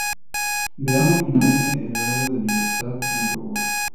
Veamos finalmente el grado de libertad del robot.